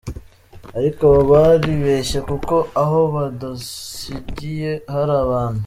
Ariko abo baribeshye kuko aho badusigiye hari abantu.